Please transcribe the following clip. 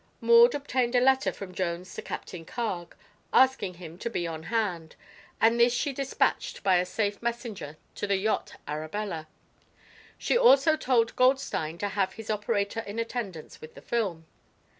Maud obtained a letter from Jones to Captain Carg, asking him to be on hand, and this she dispatched by a safe messenger to the yacht Arabella. She also told Goldstein to have his operator in attendance with the film.